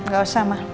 gak usah ma